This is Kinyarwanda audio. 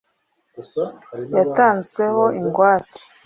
yatanzweho ingwate.